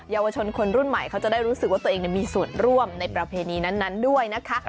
เยาวชนคนรุ่นใหม่เขาจะได้รู้สึกว่าตัวเองมีส่วนร่วมในประเพณีนั้นด้วยนะคะ